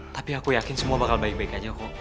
tapi aku yakin semua bakal baik baik aja kok